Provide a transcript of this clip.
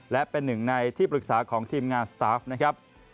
และเป็นหนึ่งในที่ปรึกษาของทีมงานสตาฟนะครับ